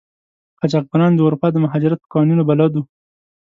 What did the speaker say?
قاچاقبران د اروپا د مهاجرت په قوانینو بلد وو.